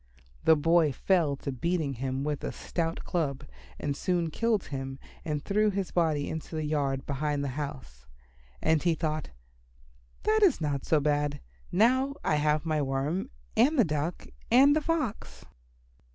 The boy fell to beating him with a stout club and soon killed him and threw his body into the yard behind the house. And he thought, "That is not so bad. Now I have my Worm and the Duck and the Fox."